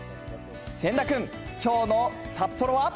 千田君、きょうの札幌は？